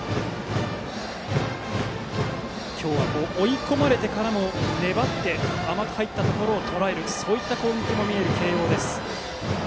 今日は追い込まれてからも粘って甘く入ったところをとらえるそういった攻撃も見える慶応です。